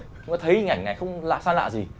chúng ta thấy hình ảnh này không lạ xa lạ gì